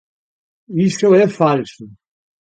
Iso é falso.